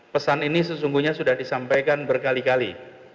pesan ini sesungguhnya sudah disampaikan berkali kali